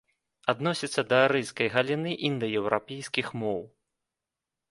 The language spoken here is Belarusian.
Адносіцца да арыйскай галіны індаеўрапейскіх моў.